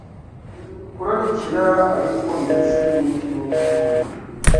kurarikira ariko ndetse n’umutima w’urukundo.